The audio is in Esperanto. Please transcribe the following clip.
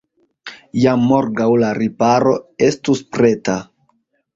Jam morgaŭ la riparo estus preta.